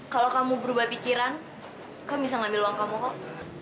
kalau kamu berubah pikiran kau bisa ngambil uang kamu kok